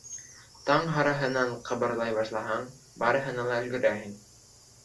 Таң һарыһынан ҡыбырлай башлаһаң, барыһына ла өлгөрәһең.